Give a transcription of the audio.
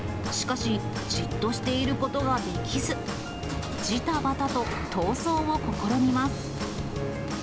しかし、じっとしていることができず、じたばたと逃走を試みます。